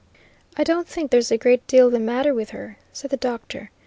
"I don't think there's a great deal the matter with her," said the doctor.